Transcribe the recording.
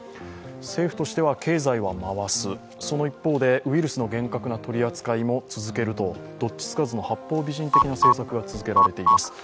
政府としては経済は回すその一方でウイルスの厳格な取り扱いも続けるとどっちつかずの八方美人的な政策が続けられています。